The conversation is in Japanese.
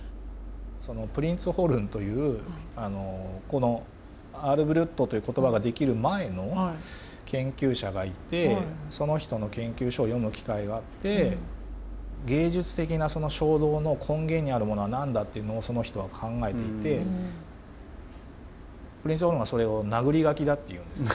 プリンツホルンというこのアール・ブリュットという言葉が出来る前の研究者がいてその人の研究書を読む機会があって「芸術的な衝動の根源にあるものは何だ」っていうのをその人は考えていてプリンツホルンはそれをなぐり書きだって言うんですね。